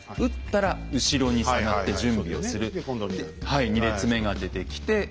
はい２列目が出てきて撃つ。